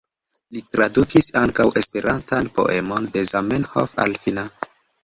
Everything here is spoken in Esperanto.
Li tradukis ankaŭ esperantan poemon de Zamenhof al finna.